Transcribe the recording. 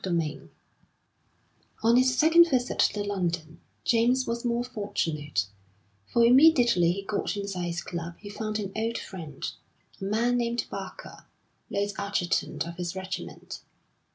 XX On his second visit to London, James was more fortunate, for immediately he got inside his club he found an old friend, a man named Barker, late adjutant of his regiment.